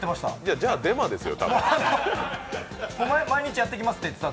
じゃあデマですよ、たぶん。